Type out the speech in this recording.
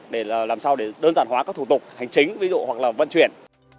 để làm sao để đơn giản hóa các thủ tục hành chính ví dụ hoặc là vận chuyển